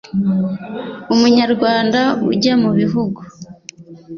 umunyarwanda ujya mu bihugu